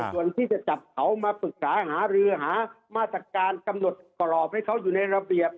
ส่วนที่จะจับเขามาปรึกษาหารือหามาตรการกำหนดกรอบให้เขาอยู่ในระเบียบ